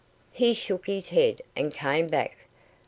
He shook his head, and came back.